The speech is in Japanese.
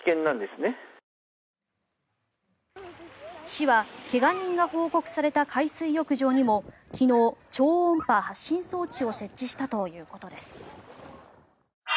市は怪我人が報告された海水浴場にも昨日、超音波発信装置を設置したということです。